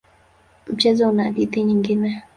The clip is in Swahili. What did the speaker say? Mchezo una hadithi nyingine.